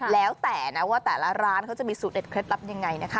แล้วแต่นะว่าแต่ละร้านเขาจะมีสูตรเด็ดเคล็ดลับยังไงนะคะ